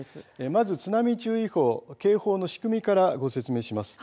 津波注意報、警報の仕組みからご説明します。